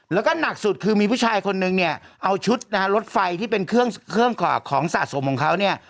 แล้วก็หนักสุดคือมีผู้ชายคนนึงเนี่ยเอาชุดนะฮะรถไฟที่เป็นเครื่องของสะสมของเขาเนี่ย